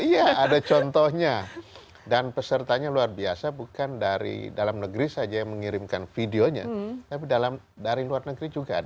iya ada contohnya dan pesertanya luar biasa bukan dari dalam negeri saja yang mengirimkan videonya tapi dari luar negeri juga ada